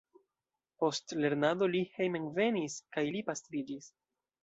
Post lernado li hejmenvenis kaj li pastriĝis.